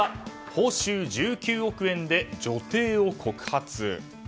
報酬１９億円で女帝を告発。